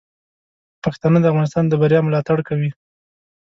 پښتانه د افغانستان د بریا ملاتړ کوي.